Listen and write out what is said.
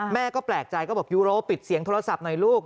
แม่ก็แปลกใจก็บอกยูโรปิดเสียงโทรศัพท์หน่อยลูก